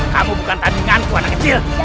kamu bukan tandinganku anak kecil